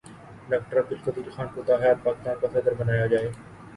doctor Abdul Qadeer Khan کو تا حیات پاکستان کا صدر بنایا جائے